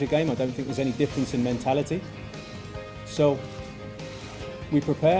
jadi kita bersiap kita menyerang diri dan kita pergi lagi